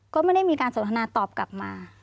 ก็ไม่ได้มีการสนทนาตอบกลับมา